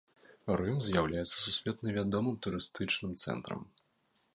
Рым з'яўляецца сусветна вядомым турыстычным цэнтрам.